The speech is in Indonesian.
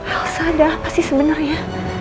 elsa ada apa sih sebenarnya